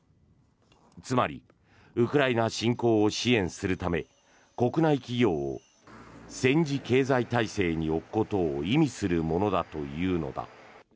つまりウクライナ侵攻を支援するため国内企業を戦時経済体制にすることを意味するというのだ。